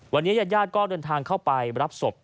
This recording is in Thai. วันนี้ญาติญาติก็เดินทางเข้าไปรับศพ